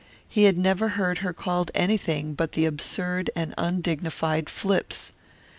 He had never heard her called anything but the absurd and undignified "Flips."